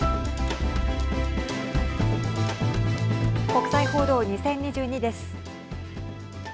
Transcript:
国際報道２０２２です。